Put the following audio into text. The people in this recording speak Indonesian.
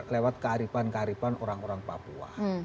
lewat kearifan kearifan orang orang papua